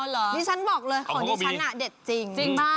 นี่ฉันบอกเลยของดิฉันเด็ดจริงมาก